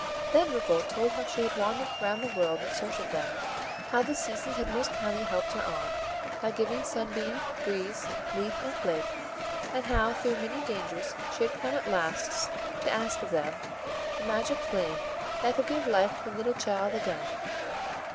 Then Ripple told how she had wandered round the world in search of them, how the Seasons had most kindly helped her on, by giving Sun beam, Breeze, Leaf, and Flake; and how, through many dangers, she had come at last to ask of them the magic flame that could give life to the little child again.